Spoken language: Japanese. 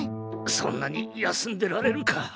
そんなに休んでられるか！